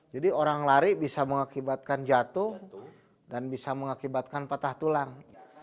jadi orang lari bisa mengakibatkan jatuh dan bisa mengakibatkan patah tulang